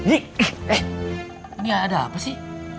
eh nggak ada apa sih